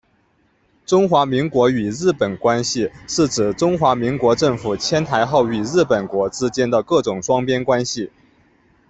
中华民国与日本关系是指中华民国政府迁台后与日本国之间的各种双边关系。